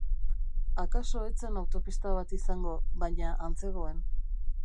Akaso ez zen autopista bat izango, baina han zegoen.